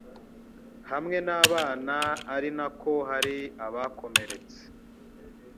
hamwe n'abana ari na ko hari abakomeretse